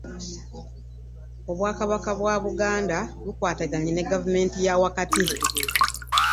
Obwakabaka bwa Buganda bukwataganye ne gavumenti ya wakati